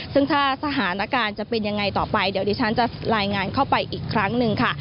ซึ่งถ้าสถานการณ์จะเป็นยังไงต่อไปเดี๋ยวดิฉันจะรายงานเข้าไปอีกครั้งหนึ่งค่ะ